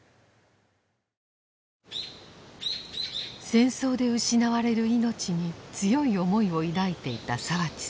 戦争で失われる命に強い思いを抱いていた澤地さん。